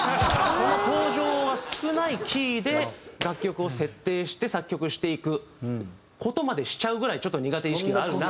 その登場は少ないキーで楽曲を設定して作曲していく事までしちゃうぐらいちょっと苦手意識がある中。